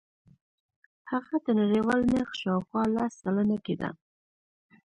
هغه د نړیوال نرخ شاوخوا لس سلنه کېده.